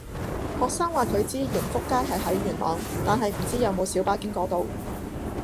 學生話佢知盈福街係喺元朗，但係唔知有冇小巴經嗰度